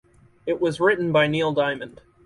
It was written by Neil Diamond.